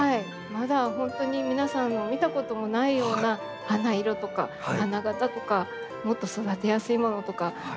まだ本当に皆さんの見たこともないような花色とか花形とかもっと育てやすいものとか目指していますので。